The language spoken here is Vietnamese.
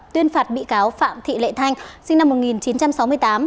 tuyên phạt bị cáo phạm thị lệ thanh sinh năm một nghìn chín trăm sáu mươi tám